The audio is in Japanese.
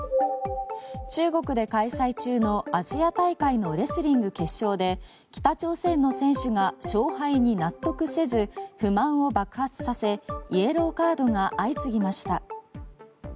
中国で開催中のアジア大会のレスリング決勝で北朝鮮の選手が勝敗に納得せず、不満を爆発させイエローカードが相次ぎました。